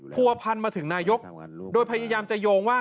ภูพันธ์มาถึงนายกรัฐมนตรีโดยพยายามจะโยงว่า